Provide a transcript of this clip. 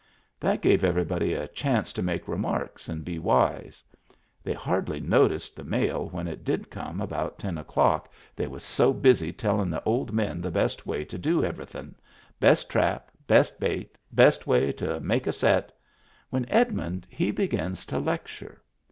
That gave everybody a chance to make remarks and be wise. They hardly no ticed the mail when it did come about ten o'clock, they was so busy tellin' the old men the best way to do everythin* — best trap, best bait, best way to make a set — when Edmund he begins to lec ture.